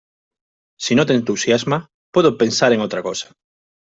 Si no te entusiasma, puedo pensar en otra cosa.